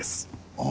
ああ